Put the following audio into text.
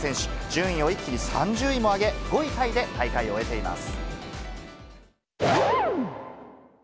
順位を一気に３０位も上げ、５位タイで大会を終えています。